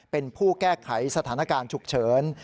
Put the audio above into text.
เป็นผู้แก้ไขสถานการณ์ฉุกเฉิน